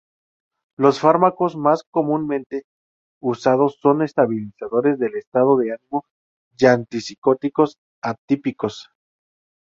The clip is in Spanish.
Los fármacos más comúnmente usados son estabilizadores del estado del ánimo y antipsicóticos atípicos.